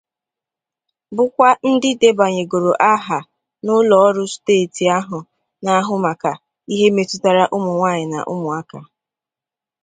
bụkwa ndị debànyègoro aha n'ụlọọrụ steeti ahụ na-ahụ maka ihe metụtara ụmụnwaanyị na ụmụaka